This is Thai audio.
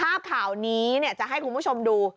ภาพข่าวนี้จะให้คุณผู้ชมดู